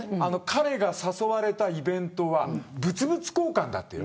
彼が誘われたイベントは物々交換。